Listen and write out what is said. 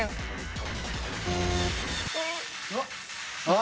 あ。